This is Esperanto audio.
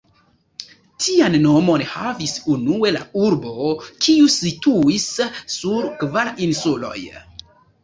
Tian nomon havis unue la urbo, kiu situis sur kvar insuloj.